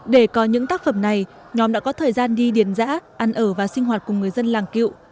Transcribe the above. để có những tác phẩm này nhóm đã có thời gian đi điền giã ăn ở và sinh hoạt cùng người dân làng cựu